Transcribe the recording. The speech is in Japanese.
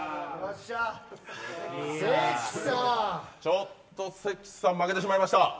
ちょっと関さん負けてしまいました。